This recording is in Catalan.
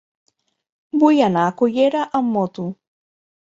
Vull anar a Cullera amb moto.